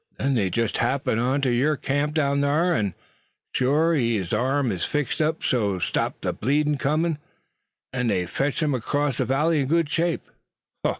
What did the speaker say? Then they jest happen on yer camp down thar; an' shore he gut his arm fixed up so's ter stop ther blood comin'; an' they fotched him acrost ther valley in good shape."